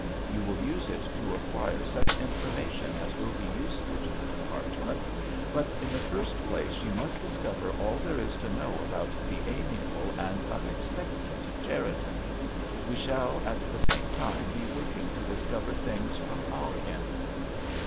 You will use it to acquire such information as will be useful to the Department, but in the first place you must discover all there is to know about the amiable and unexpected Cherriton. We shall at the same time be working to discover things from our end."